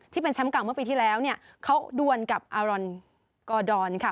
ที่เป็นแชมป์เก่าเมื่อปีที่แล้วเนี่ยเขาดวนกับอารอนกอดอนค่ะ